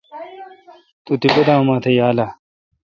تو تیپہ دا اومات یالہ۔